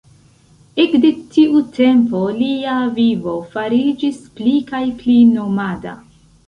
Ekde tiu tempo lia vivo fariĝis pli kaj pli nomada.